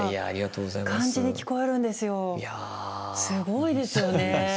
すごいですよね。